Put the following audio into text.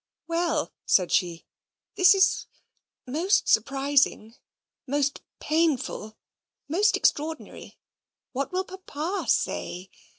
"Well," said she, "this is most surprising most painful most extraordinary what will Papa say?